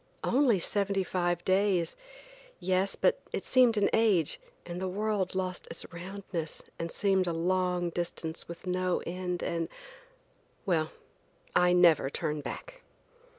Only seventy five days! Yes, but it seemed an age and the world lost its roundness and seemed a long distance with no end, and–well, I never turn back.